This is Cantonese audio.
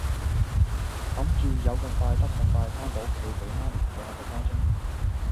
諗住有咁快得咁快番到屋企俾媽咪睇下個花樽